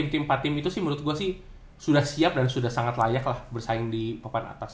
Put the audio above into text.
tim tim itu sih menurut gua sih sudah siap dan sudah sangat layak lah bersaing di pepat atas